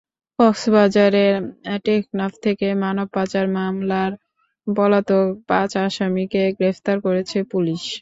কক্সবাজারের টেকনাফ থেকে মানব পাচার মামলার পলাতক পাঁচ আসামিকে গ্রেপ্তার করেছে পুলিশ।